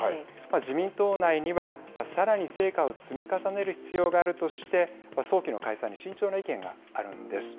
自民党内にはさらに成果を積み重ねる必要があるとして早期の解散に慎重な意見があるんです。